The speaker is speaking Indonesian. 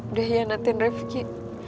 udah hianatin rifqi